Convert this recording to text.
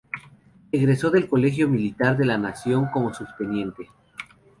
Egresó del Colegio Militar de la Nación como Subteniente.